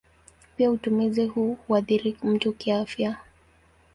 Pia utumizi huu huathiri mtu kiafya.